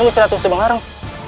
itu gusti ratu subang larang